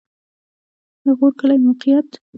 د غور کلی موقعیت